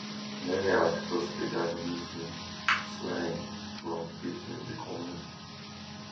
Many articles began using slang from within the community.